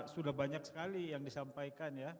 sudah banyak sekali yang disampaikan ya